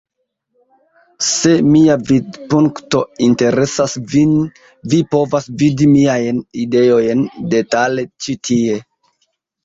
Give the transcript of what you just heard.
Se mia vidpunkto interesas vin vi povas vidi miajn ideojn detale ĉi tie.